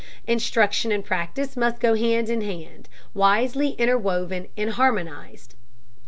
Instruction and practice must go hand in hand, wisely interwoven and harmonized.